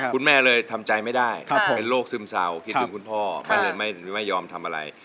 คุณแม่เลยทำใจไม่ได้เป็นโรคซึมเศร้าคิดถึงคุณพ่อก็เลยไม่ยอมทำอะไร